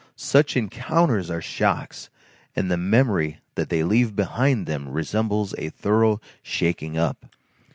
Such encounters are shocks, and the memory that they leave behind them resembles a thorough shaking up.